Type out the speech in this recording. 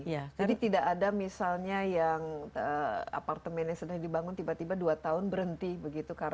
jadi tidak ada misalnya yang apartemen yang sudah dibangun tiba tiba dua tahun berhenti begitu karena